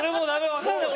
わかんない。